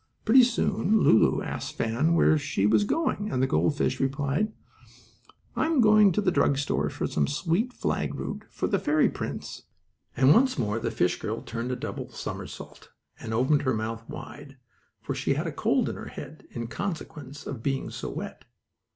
Pretty soon Lulu asked Fan where she was going, and the gold fish replied: "I am going to the drug store for some sweet flag root for the fairy prince," and once more the fish girl turned a double somersault and opened her mouth wide, for she had a cold in her head, in consequence of being so wet.